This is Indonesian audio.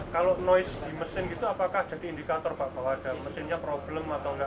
kalau noise di mesin gitu apakah jadi indikator pak bahwa ada mesinnya problem atau enggak